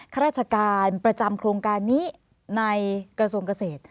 ข้าราชการประจำโครงการนี้ในกระทรวงเกษตร